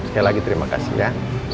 sekali lagi terima kasih ya